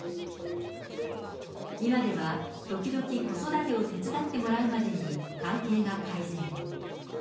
今ではときどき子育てを手伝ってもらうまでに関係が改善。